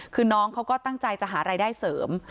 คือน้องเขาก็ตั้งใจจะหารายได้เสริม